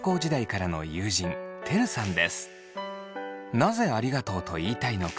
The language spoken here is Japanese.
なぜありがとうと言いたいのか。